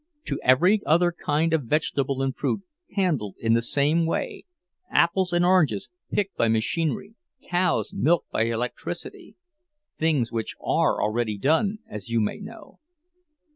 To every other kind of vegetable and fruit handled in the same way—apples and oranges picked by machinery, cows milked by electricity—things which are already done, as you may know.